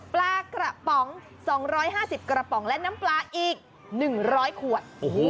ปลากระป๋อง๒๕๐กระป๋องและน้ำปลาอีก๑๐๐ขวด